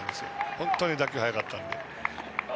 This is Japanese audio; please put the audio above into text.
本当に打球が速かったので。